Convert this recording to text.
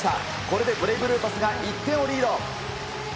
これでブレイブルーパスが１点をリード。